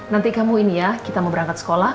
nanti kamu ini ya kita mau berangkat sekolah